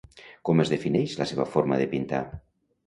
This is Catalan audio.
Com es defineix la seva forma de pintar?